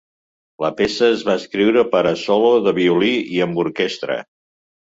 La peça es va escriure per a solo de violí i amb orquestra.